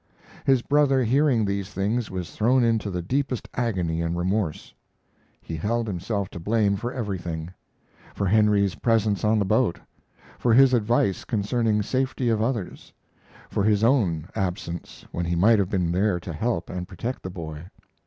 His brother, hearing these things, was thrown into the deepest agony and remorse. He held himself to blame for everything; for Henry's presence on the boat; for his advice concerning safety of others; for his own absence when he might have been there to help and protect the boy.